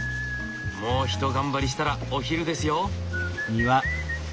もうひと頑張りしたらお昼ですよ。